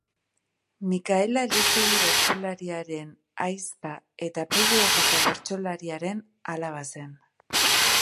Mikaela Elizegi bertsolariaren ahizpa eta Pello Errota bertsolariaren alaba zen.